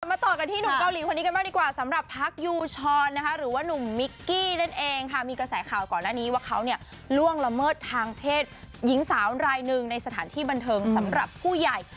มาต่อกันที่หนุ่มเกาหลีคนนี้กันบ้างดีกว่าสำหรับพักยูชรนะคะหรือว่านุ่มมิกกี้นั่นเองค่ะมีกระแสข่าวก่อนหน้านี้ว่าเขาเนี่ยล่วงละเมิดทางเพศหญิงสาวรายหนึ่งในสถานที่บันเทิงสำหรับผู้ใหญ่